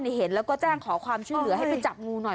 เห็นแล้วก็แจ้งขอความช่วยเหลือให้ไปจับงูหน่อย